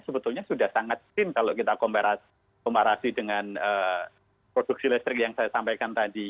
sebetulnya sudah sangat cream kalau kita komparasi dengan produksi listrik yang saya sampaikan tadi